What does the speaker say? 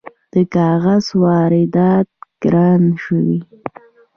د کاغذ واردات ګران شوي؟